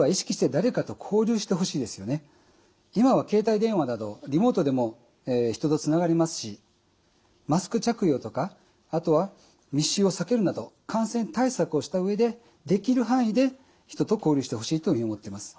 まずは今は携帯電話などリモートでも人とつながりますしマスク着用とかあとは密集を避けるなど感染対策をした上でできる範囲で人と交流してほしいというふうに思っています。